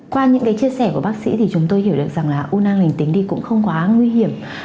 qua những cái chia sẻ của bác sĩ thì chúng tôi hiểu được rằng là u nang lình tính thì cũng không quá nguy hiểm